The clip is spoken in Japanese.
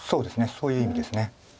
そういう意味です。